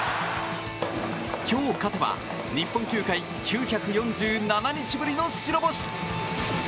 今日勝てば日本球界９４７日ぶりの白星。